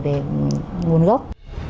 về nguồn gốc